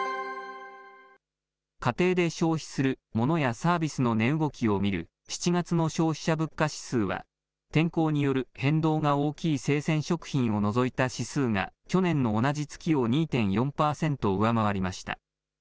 家庭で消費するモノやサービスの値動きを見る７月の消費者物価指数は、天候による変動が大きい生鮮食品を除いた指数が、去年の同じ月を２．４％上回りました。